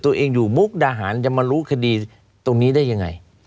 ตัวเองอยู่มุกดาหารจะมารู้คดีตรงนี้ได้ยังไง